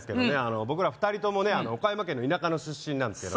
僕ら２人ともね岡山県の田舎の出身なんですけどね